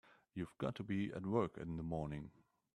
You've got to be at work in the morning.